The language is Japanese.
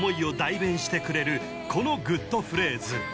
このグッとフレーズ